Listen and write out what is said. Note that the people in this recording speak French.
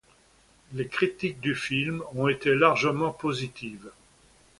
Les critiques du film ont été largement positives.